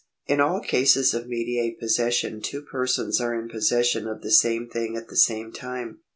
In all cases of mediate possession two persons are in pos session of the same thing at the same time.